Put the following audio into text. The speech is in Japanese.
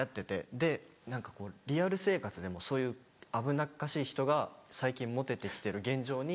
で何かリアル生活でもそういう危なっかしい人が最近モテて来てる現状に。